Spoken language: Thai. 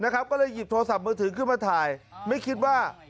ก็เลยหยิบโทรศัพท์มือถือขึ้นมาถ่ายไม่คิดว่า